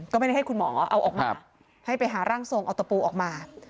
ก็ไม่ได้ให้คุณหมอเอาออกมาให้ไปหาร่างทรงเอาตะปูออกมา